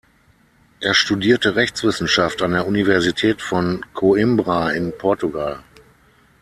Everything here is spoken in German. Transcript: Er studierte Rechtswissenschaft an der Universität von Coimbra in Portugal.